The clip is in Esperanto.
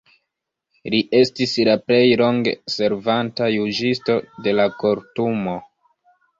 Li estis la plej longe servanta juĝisto de la Kortumo.